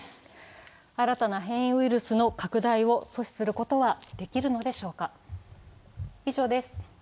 新たな変異ウイルスの拡大を阻止することはできるのでしょうか。